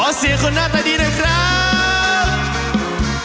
ขอเสียคนหน้าตายดีนะครับ